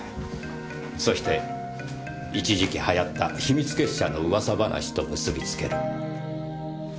そして一時期はやった秘密結社の噂話と結びつける。